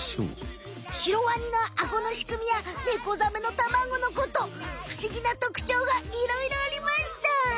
シロワニのアゴのしくみやネコザメの卵のことふしぎなとくちょうがいろいろありました！